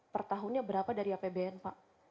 pertahunnya berapa dari apbn pak